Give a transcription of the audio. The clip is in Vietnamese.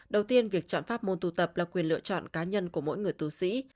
đầu tiên việc chọn phát môn tù tập là quyền lựa chọn cá nhân của mỗi người tù sĩ